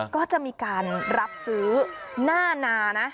ก็จะมีการรับซื้อหน้านานะ